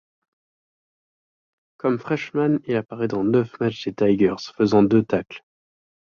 Comme freshman, il appararaît dans neuf matchs des Tigers, faisant deux tacles.